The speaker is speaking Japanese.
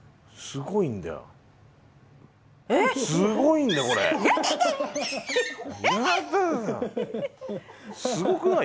すごいな。